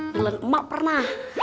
nelen emak pernah